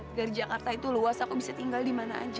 edgar jakarta itu luas aku bisa tinggal dimana saja